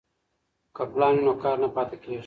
که پلان وي نو کار نه پاتې کیږي.